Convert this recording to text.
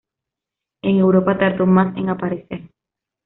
En Europa tardó más en aparecer.